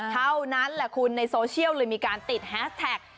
เท่านั้นแหละคุณในโซเชียลเลยมีการติดแฮสแท็ก